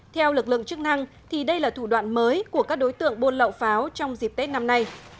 theo lực lượng chức năng thì đây là thủ đoạn mới của các đối tượng buôn lậu pháo trong dịp tết năm nay